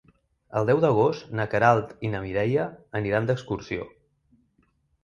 El deu d'agost na Queralt i na Mireia aniran d'excursió.